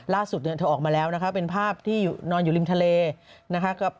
เธอออกมาแล้วนะคะเป็นภาพที่นอนอยู่ริมทะเลนะคะ